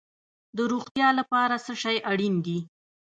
د روغتیا لپاره څه شی اړین دي؟